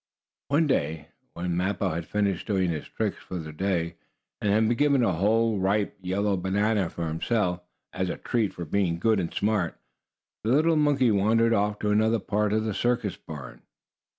One day, when Mappo had finished doing his tricks for the day, and had been given a whole, ripe, yellow banana for himself, as a treat for being good and smart, the little monkey wandered off to another part of the circus barn.